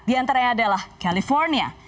di antaranya adalah california